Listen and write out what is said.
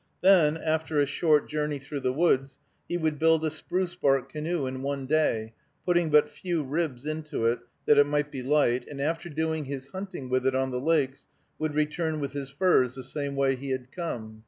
Then, after a short journey through the woods, he would build a spruce bark canoe in one day, putting but few ribs into it, that it might be light, and, after doing his hunting with it on the lakes, would return with his furs the same way he had come.